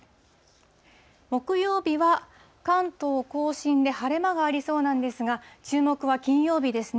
木曜日は、関東甲信で晴れ間がありそうなんですが、注目は金曜日ですね。